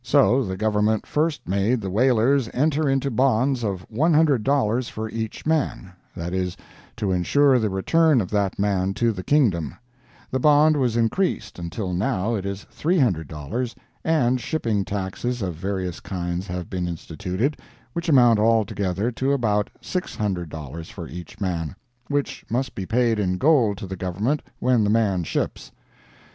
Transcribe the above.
So the Government first made the whalers enter into bonds of $100 for each man; that is, to insure the return of that man to the kingdom; the bond was increased, until now it is $300, and shipping taxes of various kinds have been instituted, which amount altogether to about $600 for each man, which must be paid in gold to the Government when the man ships.